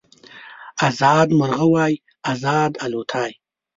ازاد مرغه وای ازاد الوتای